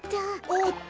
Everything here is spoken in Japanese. おっと！